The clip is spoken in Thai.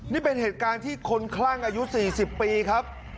นี่เป็นเหตุการณ์ที่คนคลั่งอายุ๔๐ปีครับ